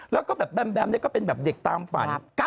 แล้วก็แบบแบมนี่ก็เป็นแบบเด็กตามฝัน